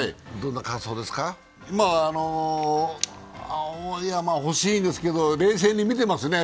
青山、惜しいですけど、冷静に見てますね。